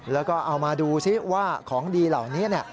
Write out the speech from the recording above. แล้วก็เอามาดูซิว่าของดีเหล่านี้